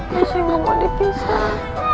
masih gak mau dipisah